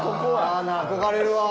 憧れるわ。